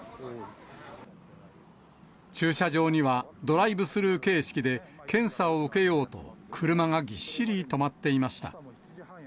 駐車場にはドライブスルー形式で検査を受けようと、車がぎっしり止まっていました。